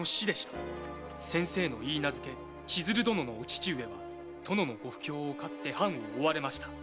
先生の許嫁・千鶴殿のお父上は殿のご不興を買って藩を追われました。